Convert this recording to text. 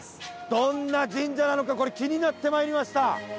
どんな神社なのかこれ気になってまいりました。